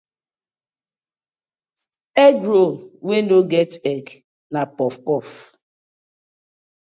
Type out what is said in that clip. Egg roll wey no get egg na puff puff.